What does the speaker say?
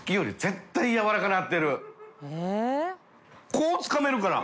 こうつかめるから。